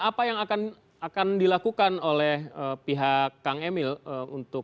apa yang akan dilakukan oleh pihak daerah yang mempunyai saldo itu